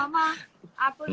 dia lihat sekolahnya